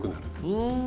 うん。